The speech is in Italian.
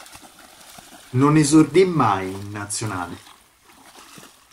Non esordì mai in Nazionale.